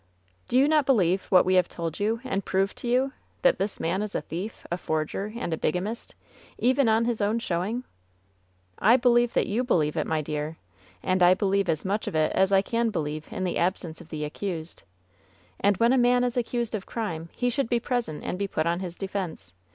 "Do you not believe what we have told you and proved to you — that this man is a thief, a forger and a biga mist, even on his own showing ?" "I believe that you believe it, my dear. And I believe as much of it as I can believe in the absence of the ac cused. And when a man is accused of crime he should be present and be put upon his defense.